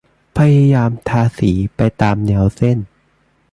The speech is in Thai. พยายามทาสีไปตามแนวเส้น